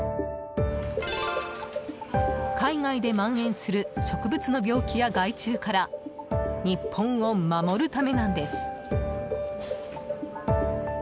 海外で蔓延する植物の病気や害虫から日本を守るためなんです。